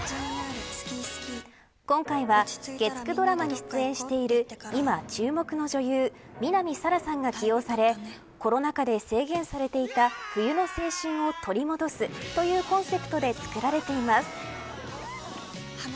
今回は月９ドラマに出演している今、注目の女優南沙良さんが起用されコロナ禍で制限されていた冬の青春を取り戻すというコンセプトでつくられています。